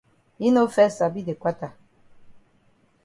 Yi no fes sabi de kwata.